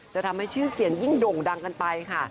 จะทำให้ชื่อเสียงยิ่งโด่งดังกันไปค่ะ